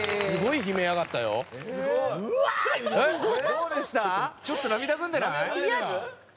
どうでした？